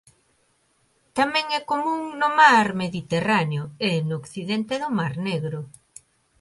Tamén é común no mar Mediterráneo e no occidente do mar Negro.